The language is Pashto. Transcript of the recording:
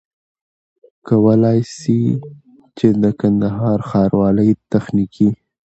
کولای سي چي د کندهار ښاروالۍ تخنيکي